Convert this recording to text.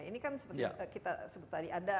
ini kan seperti kita sebut tadi